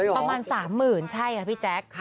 ประมาณ๓๐๐๐ใช่ค่ะพี่แจ๊ค